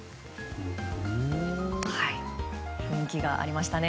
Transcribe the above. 人気がありましたね。